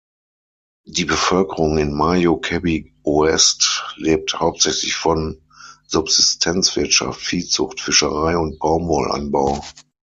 Die Bevölkerung in Mayo-Kebbi Ouest lebt hauptsächlich von Subsistenzwirtschaft, Viehzucht, Fischerei und Baumwollanbau.